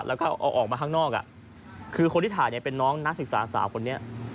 แล้วก็เอาออกมาข้างนอกคือคนที่ถ่ายเนี่ยเป็นน้องนักศึกษาสาวคนนี้